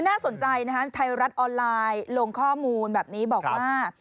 น่าสนใจนะคะไทยรัฐออนไลน์ลงข้อมูลแบบนี้บอกว่า